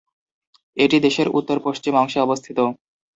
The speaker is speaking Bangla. এটি দেশের উত্তর-পশ্চিম অংশে অবস্থিত।